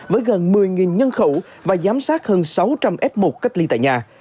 với gần một mươi nhân khẩu và giám sát hơn sáu trăm linh f một cách ly tại nhà